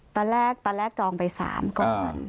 ตอนแรกตอนแรกจองไป๓ก่อน